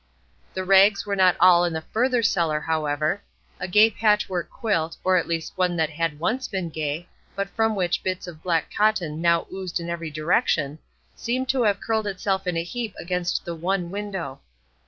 The rags were not all in the further cellar, however; a gay patch work quilt, or at least one that had once been gay, but from which bits of black cotton now oozed in every direction, seemed to have curled itself in a heap against the one window.